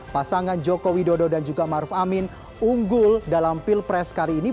pasangan joko widodo dan juga maruf amin unggul dalam pilpres kali ini